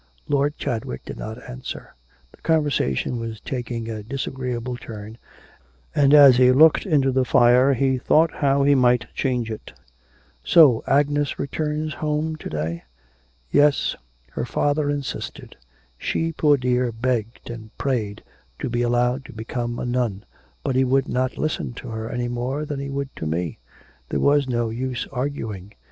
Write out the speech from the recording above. Lord Chadwick did not answer. The conversation was taking a disagreeable turn, and as he looked into the fire he thought how he might change it. 'So Agnes returns home to day?' 'Yes, her father insisted... She, poor dear, begged and prayed to be allowed to become a nun, but he would not listen to her any more than he would to me.... There was no use arguing....